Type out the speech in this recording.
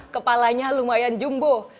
kepalanya lumayan jumbo